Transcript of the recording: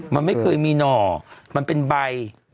มันไม่เคยมีหน่อมันเป็นใบ